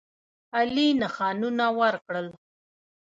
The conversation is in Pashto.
عالي نښانونه ورکړل.